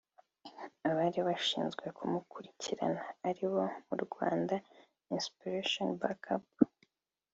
abari bashinzwe kumukurikirana ari bo Rwanda Inspiration Back Up